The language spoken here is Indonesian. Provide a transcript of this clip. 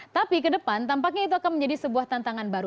tapi ke depan tampaknya itu akan menjadi sebuah tantangan baru